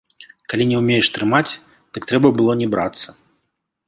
Калі не ўмееш трымаць, дык трэба было не брацца.